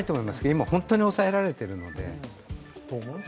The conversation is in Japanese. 今、本当に抑えられてるので。